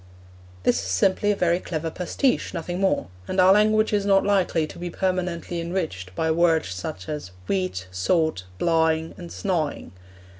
This is simply a very clever pastiche, nothing more, and our language is not likely to be permanently enriched by such words as 'weet,' 'saut,' 'blawing,' and 'snawing.'